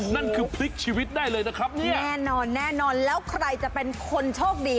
นั่นคือพลิกชีวิตได้เลยนะครับเนี่ยแน่นอนแน่นอนแล้วใครจะเป็นคนโชคดี